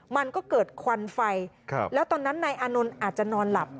มันก็เกิดควันไฟแล้วตอนนั้นนายอานนท์อาจจะนอนหลับ